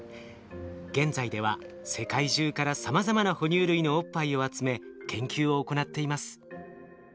現在では世界中からさまざまな哺乳類のおっぱいを集め研究を行っています。